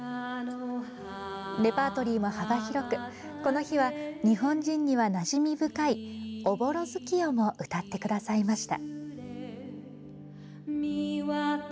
レパートリーも幅広く、この日は日本人には、なじみ深い「朧月夜」も歌ってくださいました。